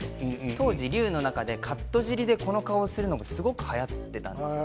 当時隆の中でカット尻でこの顔をするのがすごくはやってたんですよ